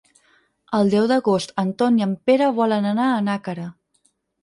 El deu d'agost en Ton i en Pere volen anar a Nàquera.